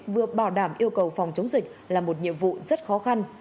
vừa bảo đảm yêu cầu phòng chống dịch là một nhiệm vụ rất khó khăn